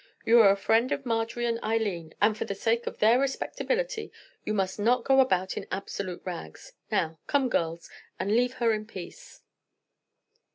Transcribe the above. You are a friend of Marjorie and Eileen; and, for the sake of their respectability, you must not go about in absolute rags. Now, come, girls, and leave her in peace."